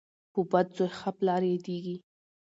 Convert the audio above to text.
په بد زوی ښه پلار یادیږي.